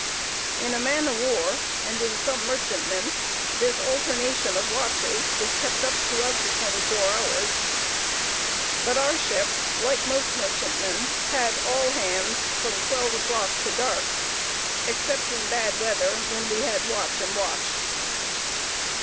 In a man of war, and in some merchantmen, this alternation of watches is kept up throughout the twenty four hours; but our ship, like most merchantmen, had "all hands" from twelve o'clock to dark, except in bad weather, when we had "watch and watch."